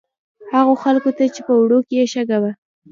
هغو خلکو چې په اوړو کې یې شګه وه.